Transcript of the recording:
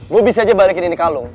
gue bisa aja balikin ini kalung